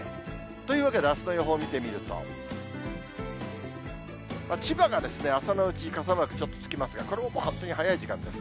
というわけであすの予報見てみると、千葉が朝のうち、傘マークちょっとつきますが、これも本当に早い時間です。